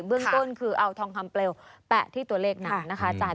เบื้องต้นคือเอาทองคำเปลวแปะที่ตัวเลขนั้นนะคะอาจารย์